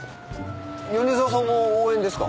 米沢さんも応援ですか？